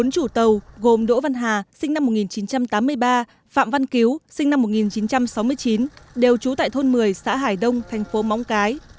bốn chủ tàu gồm đỗ văn hà sinh năm một nghìn chín trăm tám mươi ba phạm văn cứu sinh năm một nghìn chín trăm sáu mươi chín đều trú tại thôn một mươi xã hải đông thành phố móng cái